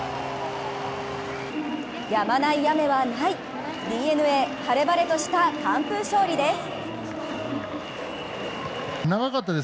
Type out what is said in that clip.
やまない雨はない、ＤｅＮＡ晴れ晴れとした完封勝利です。